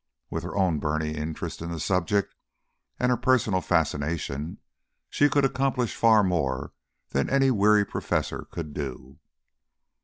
With her own burning interest in the subject and her personal fascination, she could accomplish far more than any weary professor could do.